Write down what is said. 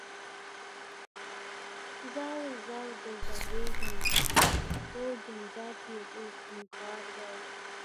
ځور، ځور دی ځوریږم خوږ یم درد یې لوی خونکار دی